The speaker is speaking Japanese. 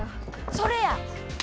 それや！